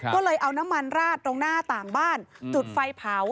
ก็เลยเอาน้ำมันราดตรงหน้าต่างบ้านจุดไฟเผา